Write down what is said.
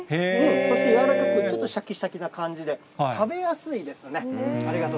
そして、柔らかくちょっとしゃきしゃきな感じで、食べやすいですね。